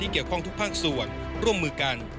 เกี่ยวข้องทุกภาคส่วนร่วมมือกัน